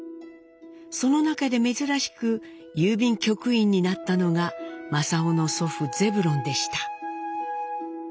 その中で珍しく郵便局員になったのが正雄の祖父ゼブロンでした。